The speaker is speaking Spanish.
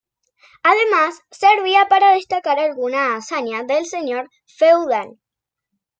Además servía para destacar alguna hazaña del señor feudal.